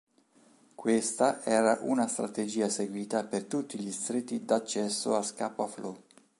Questa era una strategia seguita per tutti gli stretti d accesso a Scapa Flow.